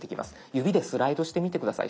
指でスライドしてみて下さい。